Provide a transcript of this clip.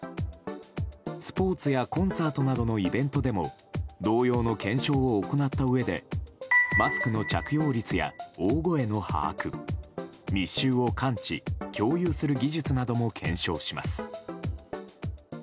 スポーツやコンサートなどのイベントでも同様の検証を行ったうえでマスクの着用率や大声の把握密集を感知・共有する技術なども検証します。